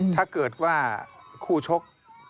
ถ้าเกิดว่าคู่ชก